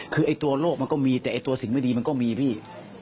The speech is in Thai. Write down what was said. คือไอ้ตัวโลกมันก็มีแต่ไอ้ตัวสิ่งไม่ดีมันก็มีพี่